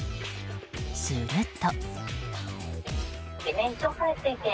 すると。